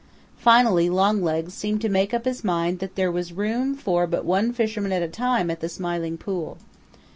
Finally Longlegs seemed to make up his mind that there was room for but one fisherman at a time at the Smiling Pool.